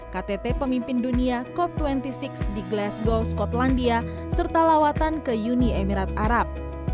ktt pemimpin dunia cop dua puluh enam di glasgow skotlandia serta lawatan ke uni emirat arab